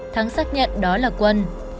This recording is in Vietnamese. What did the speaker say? thắng xác nhận đó là quân